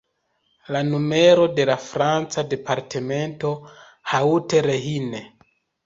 La numero de la franca departemento Haut-Rhin.